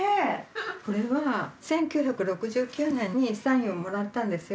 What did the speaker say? これは１９６９年にサインをもらったんですよ。